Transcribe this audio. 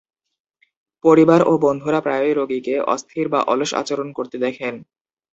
পরিবার ও বন্ধুরা প্রায়ই রোগীকে অস্থির বা অলস আচরণ করতে দেখেন।